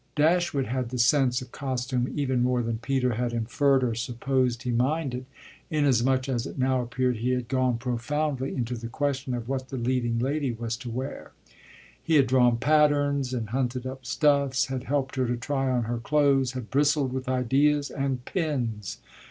Dashwood had the sense of costume even more than Peter had inferred or supposed he minded, inasmuch as it now appeared he had gone profoundly into the question of what the leading lady was to wear. He had drawn patterns and hunted up stuffs, had helped her to try on her clothes, had bristled with ideas and pins.